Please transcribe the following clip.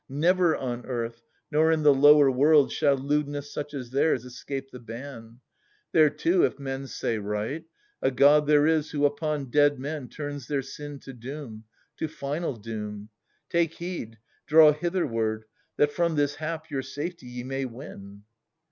Never on earth, nor in the lower world, p (e o Shall lewdness such as theirs escape the ban : There too, if men say right, a God there is Who upon dead men turns their sin to doom, To final doom. Take heed, draw hitherward, That from this hap your safety ye may win.